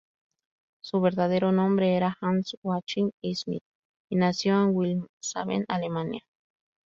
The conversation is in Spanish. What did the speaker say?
Su verdadero nombre era Hans Joachim Schmid, y nació en Wilhelmshaven, Alemania.